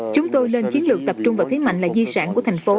chúng tôi lên chiến lược tập trung vào thế mạnh là di sản của thành phố